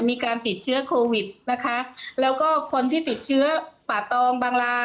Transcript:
มีการติดเชื้อโควิดนะคะแล้วก็คนที่ติดเชื้อป่าตองบางรา